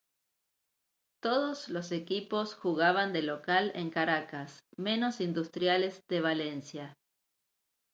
Todos los equipos jugaban de local en Caracas menos Industriales de Valencia.